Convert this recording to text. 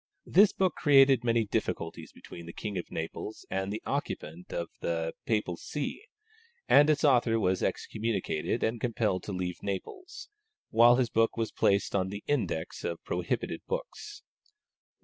This book created many difficulties between the King of Naples and the occupant of the Papal See, and its author was excommunicated and compelled to leave Naples, while his work was placed on the index of prohibited books.